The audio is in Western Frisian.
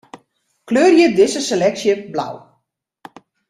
Kleurje dizze seleksje blau.